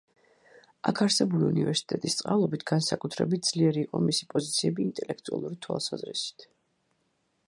აქ არსებული უნივერსიტეტის წყალობით, განსაკუთრებით ძლიერი იყო მისი პოზიციები ინტელექტუალური თვალსაზრისით.